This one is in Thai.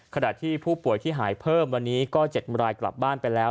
ขณะที่ผู้ป่วยที่หายเพิ่มวันนี้ก็๗รายกลับบ้านไปแล้ว